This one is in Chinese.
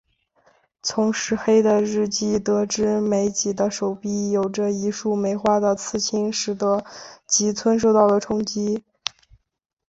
从石黑的日记得知美几的手臂有着一束梅花的刺青使得吉村受到了冲击。